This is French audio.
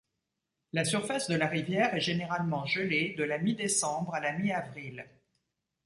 La surface de la rivière est généralement gelée de la mi-décembre à la mi-avril.